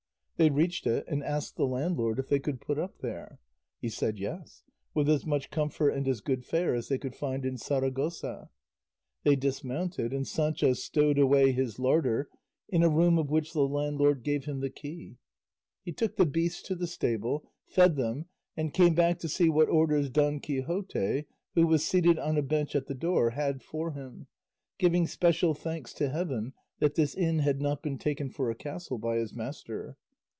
They reached it, and asked the landlord if they could put up there. He said yes, with as much comfort and as good fare as they could find in Saragossa. They dismounted, and Sancho stowed away his larder in a room of which the landlord gave him the key. He took the beasts to the stable, fed them, and came back to see what orders Don Quixote, who was seated on a bench at the door, had for him, giving special thanks to heaven that this inn had not been taken for a castle by his master.